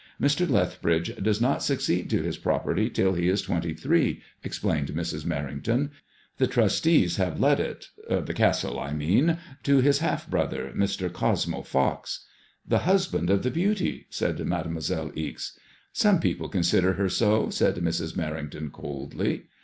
^'Mr. Lethbridge does not succeed to his property till he is twenty three," explained Mr& Merrington. The trustees have let it — ^the castle, I mean — to his half brother, Mr. Cosmo Fox." ''The husband of the beauty?" asked Mademoiselle Ixe. ''Some people consider her so," said Mrs. Merrington, coldly.